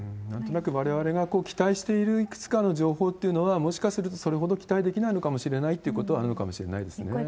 なんとなく、われわれが期待しているいくつかの情報っていうのは、もしかするとそれほど期待できないのかもしれないってことはあるのかもしれないですね。